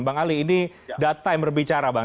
bang ali ini data yang berbicara bang